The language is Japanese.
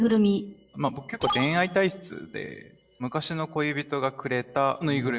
僕結構恋愛体質で昔の恋人がくれたぬいぐるみなんですよ。